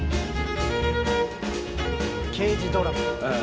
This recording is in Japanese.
刑事ドラマ。